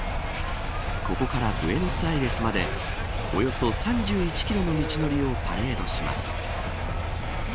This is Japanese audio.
ここからブエノスアイレスまでおよそ３１キロの道のりをパレードします。